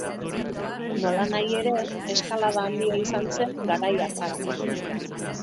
Nolanahi ere, eskalada handia izan zen garai hartarako.